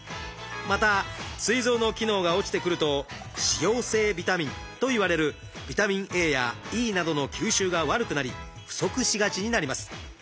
またすい臓の機能が落ちてくると脂溶性ビタミンといわれるビタミンＡやＥなどの吸収が悪くなり不足しがちになります。